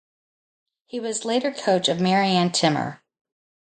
He was later coach of Marianne Timmer.